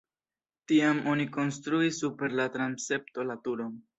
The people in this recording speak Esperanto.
Tiam oni konstruis super la transepto la turon.